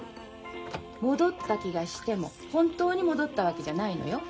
戻った気がしても本当に戻ったわけじゃないのよ。